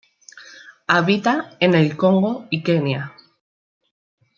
Habita en el Congo y Kenia.